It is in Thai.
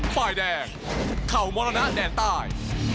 ฝ่ายแดงเข่ามรณะแดนใต้